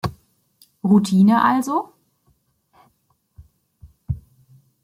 Routine also?